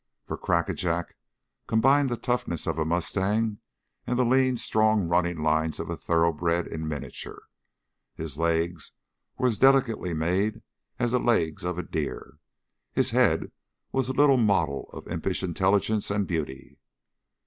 For Crackajack combined the toughness of a mustang and the lean, strong running lines of a thoroughbred in miniature. His legs were as delicately made as the legs of a deer; his head was a little model of impish intelligence and beauty.